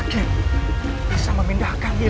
kita sudah sampai